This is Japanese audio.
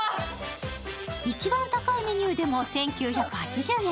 一番高いメニューでも１９８０円。